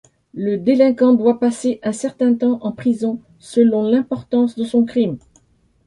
Le délinquant doit passer un certain temps en prison, selon l'importance de son crime.